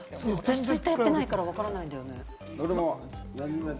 ツイッターやってないからわからないんだよね。